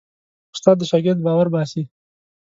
استاد د شاګرد باور باسي.